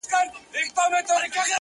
ورځم د خپل نړانده کوره ستا پوړونی راوړم;